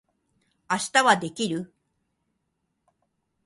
明日はできる？